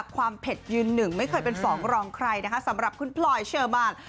เผ็ดยืนหนึ่งไม่เคยเป็นฝองรองใครนะคะสำหรับคุณพลอยเชอร์มาน